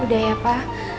udah ya pa